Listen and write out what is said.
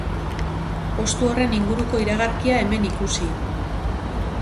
Postu horren inguruko iragarkia hemen ikusi.